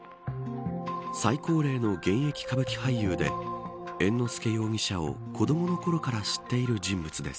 最高齢の現役歌舞伎俳優で猿之助容疑者を、子どものころから知っている人物です。